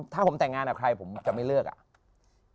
ถ้าผมแต่งงานกับใครผมจะไม่เลิกอ่ะ